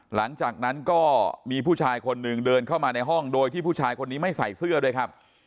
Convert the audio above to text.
หลังจากนั้นก็มีผู้ชายคนหนึ่งเดินเข้ามาในห้องโดยที่ผู้ชายคนนี้ไม่ใส่เสื้อด้วยครับ